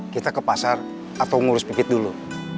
kita ke pasar atau ngurus bibit dulu